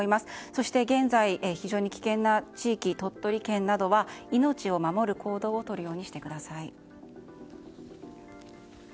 そして現在、非常に危険な地域鳥取県などは命を守る行動をとるようにしてください。